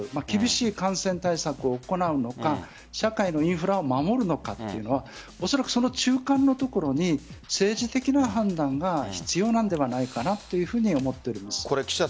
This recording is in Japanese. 厳しい感染対策を行うのか社会のインフラを守るのかというのはおそらく、その中間のところに政治的な判断が必要なのではないかというふうに思っています。